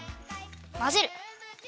まぜる。